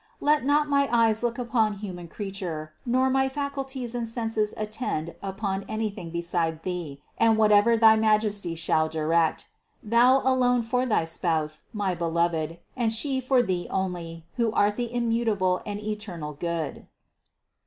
Let not my eyes look upon human creature, nor my fac ulties and senses attend upon anything beside Thee and whatever thy Majesty shall direct Thou alone for thy spouse, my Beloved, and she for Thee only, who art the immutable and eternal Good."